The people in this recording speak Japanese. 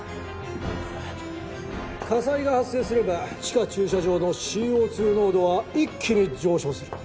火災が発生すれば地下駐車場のＣＯ２濃度は一気に上昇する。